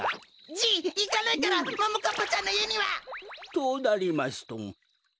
じいいかないからももかっぱちゃんのいえには！となりますと。